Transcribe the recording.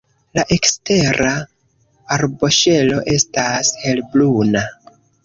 La ekstera arboŝelo estas helbruna.